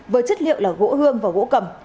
với chất liệu là gỗ hương và gỗ cầm